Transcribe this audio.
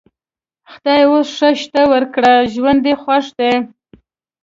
خدای اوس ښه شته ورکړ؛ ژوند یې خوښ دی.